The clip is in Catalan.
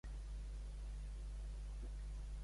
Folleu, folleu, que el món s'acaba.